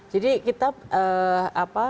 jadi kita apa